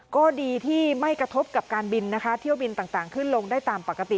ก็ดีที่ไม่กระทบกับการบินนะคะเที่ยวบินต่างขึ้นลงได้ตามปกติ